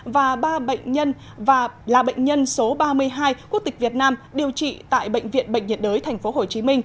và ba bệnh nhân và là bệnh nhân số ba mươi hai quốc tịch việt nam điều trị tại bệnh viện bệnh nhiệt đới tp hcm